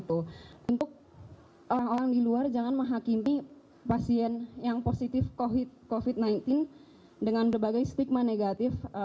untuk orang orang di luar jangan menghakimi pasien yang positif covid sembilan belas dengan berbagai stigma negatif